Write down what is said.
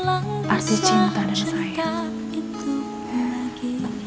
arti cinta dan sayang